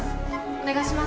お願いします。